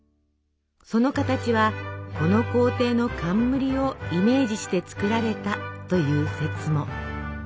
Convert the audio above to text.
その形はこの皇帝の冠をイメージして作られたという説も。